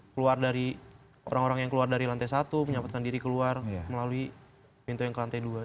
keluar dari orang orang yang keluar dari lantai satu menyelamatkan diri keluar melalui pintu yang ke lantai dua